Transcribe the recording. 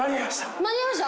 間に合いました？